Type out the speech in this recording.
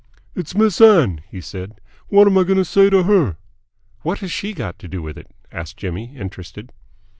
"It's Miss Ann," he said. "What am I going to say to her?" "What has she got to do with it?" asked Jimmy, interested.